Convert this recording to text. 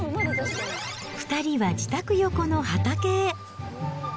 ２人は自宅横の畑へ。